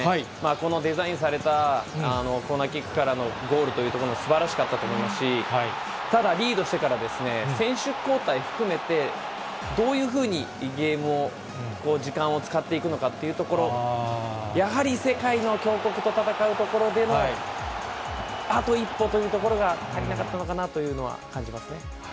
このデザインされたコーナーキックからのゴールということもすばらしかったと思いますし、ただ、リードしてから、選手交代含めて、どういうふうにゲームを、時間を使っていくのかというところ、やはり世界の強国と戦うところでの、あと一歩というところが足りなかったのかなというのは感じますね。